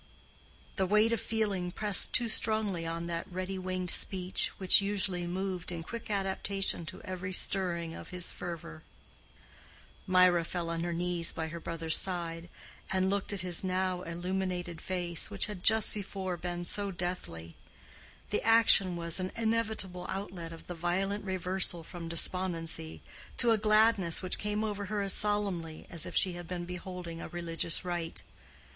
The weight of feeling pressed too strongly on that ready winged speech which usually moved in quick adaptation to every stirring of his fervor. Mirah fell on her knees by her brother's side, and looked at his now illuminated face, which had just before been so deathly. The action was an inevitable outlet of the violent reversal from despondency to a gladness which came over her as solemnly as if she had been beholding a religious rite.